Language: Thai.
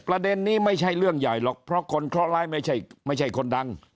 ประเด็นนี้ไม่ใช่เรื่องใหญ่หรอกเพราะคนเคราะหร้ายไม่ใช่คนดัง